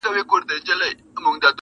یو گوزار يې ورته ورکړ ناگهانه-